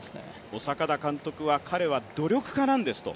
小坂田監督は彼は努力家なんですと。